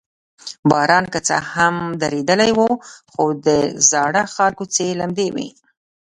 باران که څه هم درېدلی و، خو د زاړه ښار کوڅې لمدې وې.